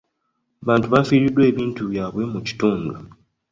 Abantu bafiiriddwa ebintu byabwe mu kitundu.